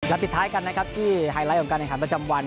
แล้วปิดท้ายกันที่ไฮไลท์ของการแฝงขัมวัน